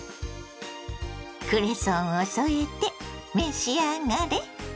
クレソンを添えて召し上がれ。